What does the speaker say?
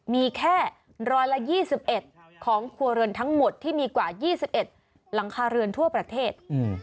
มีแค่๑๒๑ของครัวเรือนทั้งหมดที่มีกว่า๒๑หลังคาเรือนทั่วประเทศ